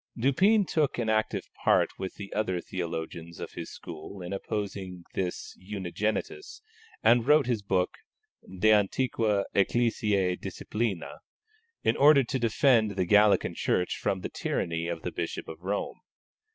Dupin took an active part with the other theologians of his school in opposing this Unigenitus, and wrote his book De Antiqua Ecclesiae disciplina in order to defend the Gallican Church from the tyranny of the Bishop of Rome.